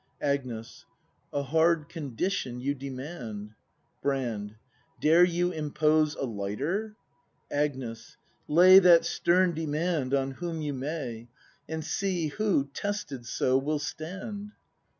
Agnes. A hard condition you demand. Brand. Dare you impose a lighter ? Agnes. Lay That stern demand on whom you may. And see who, tested so, will stand.